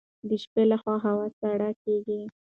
د شپې لخوا هوا سړه کیږي.